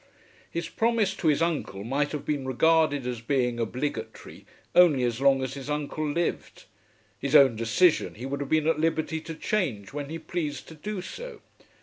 His promise to his uncle might have been regarded as being obligatory only as long as his uncle lived. His own decision he would have been at liberty to change when he pleased to do so.